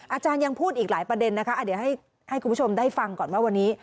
อาจารย์ยังพูดอีกหลายประเด็นนะคะเดี๋ยวให้คุณผู้ชมได้ฟังก่อนว่าวันนี้